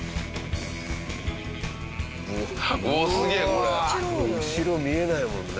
これ後ろ見えないもんね。